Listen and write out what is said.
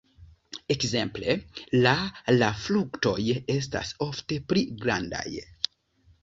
Ekzemple la la fruktoj estas ofte pli grandaj.